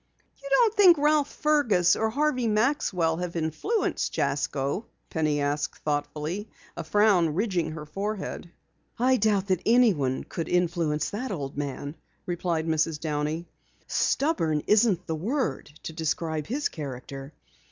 "You don't think Ralph Fergus or Harvey Maxwell have influenced Jasko?" Penny asked thoughtfully, a frown ridging her forehead. "I doubt that anyone could influence the old man," replied Mrs. Downey. "Stubborn isn't the word to describe his character.